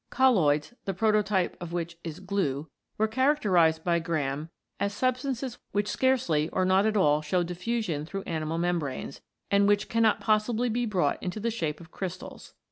Colloids, the prototype of which is glue, TO /coAAa, were charac terised by Graham as substances which scarcely or not at all show diffusion through animal mem branes, and which cannot possibly be brought into the shape of crystals.